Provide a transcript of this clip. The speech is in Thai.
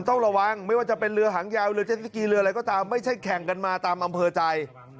เทศกรีย์เรืออะไรก็ตามไม่ใช่แข่งกันมาตามอำเภอจัย